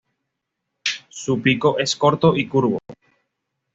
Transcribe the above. Su pico es corto y curvo.